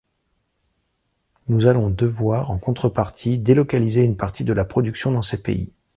Nous allons devoir en contrepartie délocaliser une partie de la production dans ces pays.